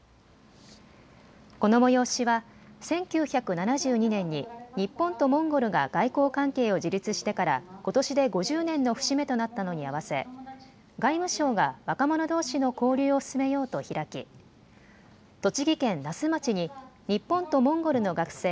この催しは１９７２年に日本とモンゴルが外交関係を樹立してからことしで５０年の節目となったのに合わせ、外務省が若者どうしの交流を進めようと開き、栃木県那須町に日本とモンゴルの学生